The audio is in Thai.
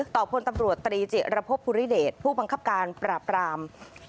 พลตำรวจตรีจิรพบภูริเดชผู้บังคับการปราบราม